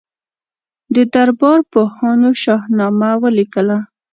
د دربار پوهانو شاهنامه ولیکله.